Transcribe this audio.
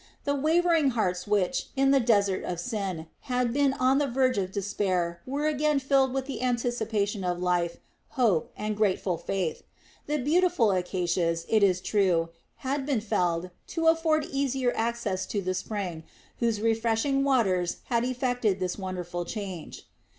The wavering hearts which, in the desert of Sin, had been on the verge of despair were again filled with the anticipation of life, hope, and grateful faith. The beautiful acacias, it is true, had been felled to afford easier access to the spring whose refreshing waters had effected this wonderful change.